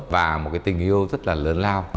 và một cái tình yêu rất là lớn lao